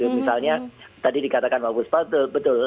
misalnya tadi dikatakan pak buspa betul